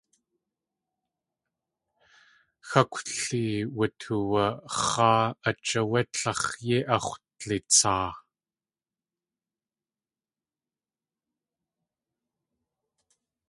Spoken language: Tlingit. Xákwli wutuwax̲aa ách áwé tlax̲ yéi ax̲wdlitsaa.